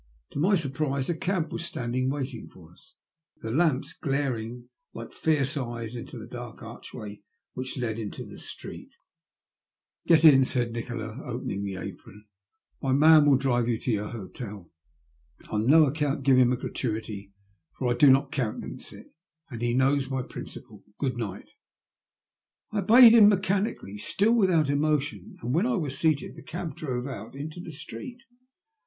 To my surprise a cab was standing waiting for us, the lamps glaring like fierce eyes into the dark archway which led into the street. U THB LOST OF OaTB, " Get in," Baid Nikola, opening tha apron. " My man will drive yoa to your hotel. On no account give him B gratuity, for I do not countenance it, and be knowB my principle. Good night." I obeyed htm mechanically, still nithout emotion, and when I waa seated the cah drove out into the street.